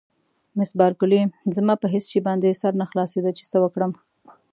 مس بارکلي: زما په هېڅ شي باندې سر نه خلاصېده چې څه وکړم.